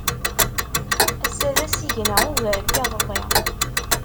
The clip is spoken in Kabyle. Ass-a d asigna ugar n yiḍelli.